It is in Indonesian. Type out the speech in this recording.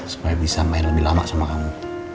supaya bisa main lebih lama sama kamu